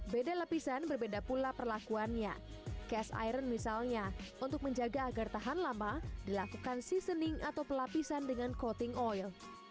beda lapisan berbeda pula perlakuannya cash iron misalnya untuk menjaga agar tahan lama dilakukan seasoning atau pelapisan dengan coating oil